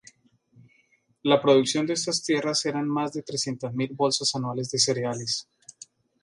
La producción de estas tierras eran más de trescientas mil bolsas anuales de cereales.